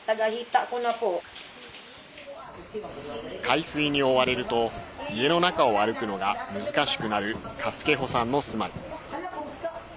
海水に覆われると家の中を歩くのが難しくなるカスケホさんの住まい。